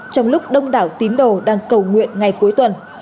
trong lúc đông đảo tín đồ đang cầu nguyện ngày cuối tuần